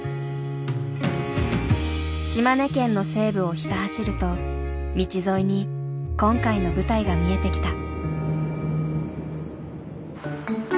島根県の西部をひた走ると道沿いに今回の舞台が見えてきた。